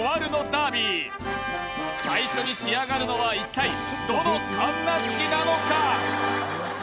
ダービー最初に仕上がるのは一体どの神奈月なのか？